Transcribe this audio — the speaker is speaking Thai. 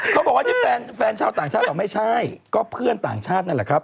เขาบอกว่านี่แฟนชาวต่างชาติบอกไม่ใช่ก็เพื่อนต่างชาตินั่นแหละครับ